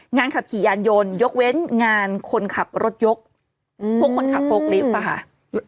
งานขับขี่ยานยนต์ยกเว้นงานคนขับรถยกพวกคนขับโฟลกลิฟต์ค่ะ